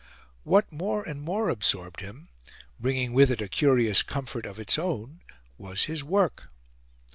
What more and more absorbed him bringing with it a curious comfort of its own was his work.